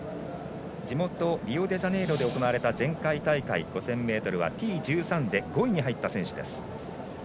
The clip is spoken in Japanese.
地元リオデジャネイロで行われた前回大会、５０００ｍはＴ１３で５位に入った選手です。